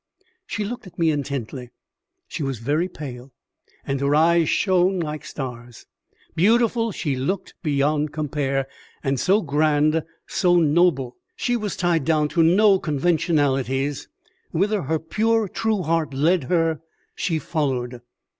She looked at me intently. She was very pale, and her eyes shone like stars. Beautiful she looked beyond compare, and so grand, so noble. She was tied down to no conventionalities; whither her pure true heart led her, she followed.